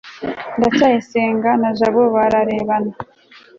ndacyayisenga na jabo bararebana